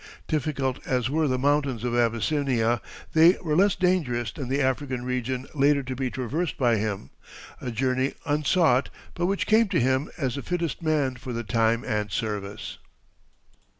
Difficult as were the mountains of Abyssinia, they were less dangerous than the African region later to be traversed by him; a journey unsought, but which came to him as the fittest man for the time and service.